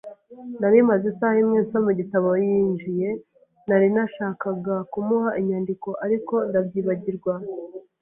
Nari maze isaha imwe nsoma igitabo yinjiye. Nari nashakaga kumuha inyandiko, ariko ndabyibagirwa.